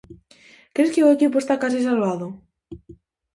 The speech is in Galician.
Cres que o equipo está case salvado?